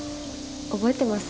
覚えてます？